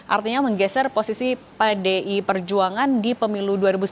artinya menggeser posisi pdi perjuangan di pemilu dua ribu sembilan belas